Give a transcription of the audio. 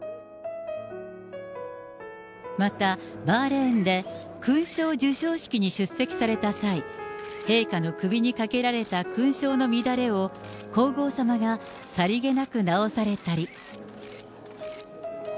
また、バーレーンで、勲章授章式に出席された際、陛下の首にかけられた勲章の乱れを皇后さまがさりげなく直されたり。